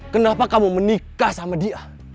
kenapa kamu menikah sama dia